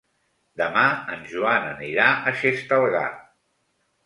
Demà en Joan anirà a Xestalgar.